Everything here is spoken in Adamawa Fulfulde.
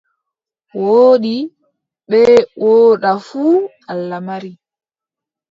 Woodi bee woodaa fuu Allah mari.